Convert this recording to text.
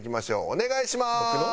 お願いします。